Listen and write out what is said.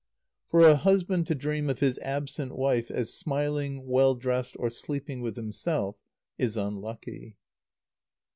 For a husband to dream of his absent wife as smiling, well dressed, or sleeping with himself, is unlucky.